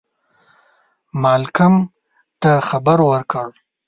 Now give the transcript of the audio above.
مالکم ته خبر ورکړ.